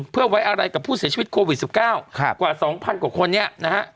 เพื่อไว้อะไรกับผู้เสียชีวิตโควิด๑๙กว่า๒๐๐กว่าคนเนี่ยนะฮะ